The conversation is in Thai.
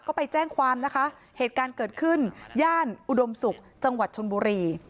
ก็ไปแจ้งความนะคะเหตุการณ์เกิดขึ้นย่านอุดมศุกร์จังหวัดชนบุรี